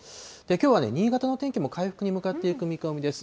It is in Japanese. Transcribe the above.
きょうはね、新潟の天気も回復に向かっていく見込みです。